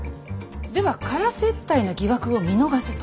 では空接待の疑惑を見逃せと？